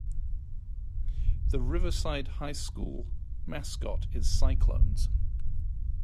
The Riverside High School mascot is Cyclones.